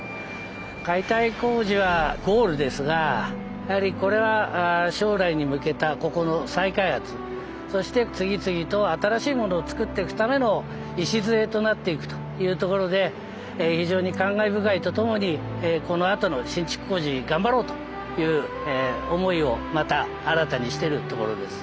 解体工事はゴールですがやはりこれは将来に向けたここの再開発そして次々と新しいものを造っていくための礎となっていくというところで非常に感慨深いとともにこのあとの新築工事頑張ろうという思いをまた新たにしてるところです。